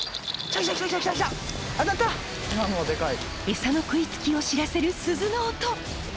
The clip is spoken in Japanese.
エサの食いつきを知らせる鈴の音！